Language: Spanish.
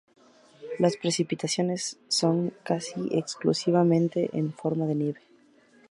Las precipitaciones son casi exclusivamente en forma de nieve.